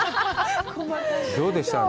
どうでした？